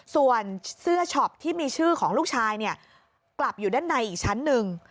ส่วนเสื้อช็อปที่มีชื่อของลูกชายกลับอยู่ด้านในอีกชั้นหนึ่ง